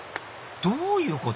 どういうこと？